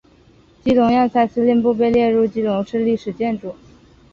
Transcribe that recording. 基隆要塞司令部被列入基隆市历史建筑。